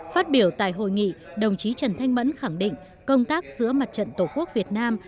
phát biểu tại hội nghị đồng chí trần thanh mẫn khẳng định công tác giữa mặt trận tổ quốc việt nam